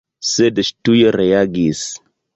Sed ŝi tuj reagis.